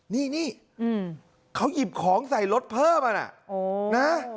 นี่เขาหยิบของใส่รถเพิ่มอ่ะนะ